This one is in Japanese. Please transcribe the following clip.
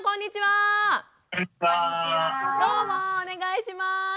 お願いします。